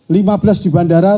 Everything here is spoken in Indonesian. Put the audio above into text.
lima belas di bandara